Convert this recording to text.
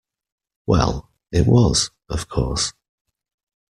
Well, it was, of course.